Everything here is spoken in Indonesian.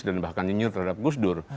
dan bahkan nyinyur terhadap gus dur